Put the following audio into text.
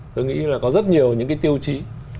tôi nghĩ là có rất nhiều những cái tiêu chí